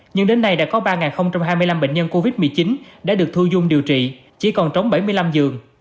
nhưng đến nay đã có ba hai mươi năm bệnh nhân covid một mươi chín đã được thu dung điều trị chỉ còn trống bảy mươi năm giường